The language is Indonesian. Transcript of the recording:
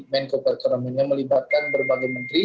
menko pertama ini melibatkan berbagai menteri